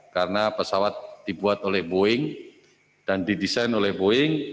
karena pesawat dibuat oleh boeing dan didesain oleh boeing